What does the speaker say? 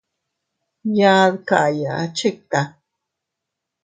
Yaa dkayya chikta.